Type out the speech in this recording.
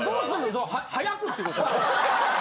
その速くってこと？